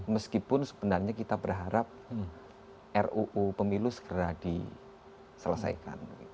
meskipun sebenarnya kita berharap ruu pemilu segera diselesaikan